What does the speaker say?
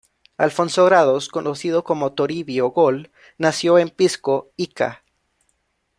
Alfonso Grados, conocido como "Toribio Gol", nació en Pisco, Ica.